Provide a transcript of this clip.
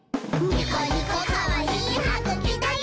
ニコニコかわいいはぐきだよ！」